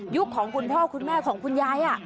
ของคุณพ่อคุณแม่ของคุณยาย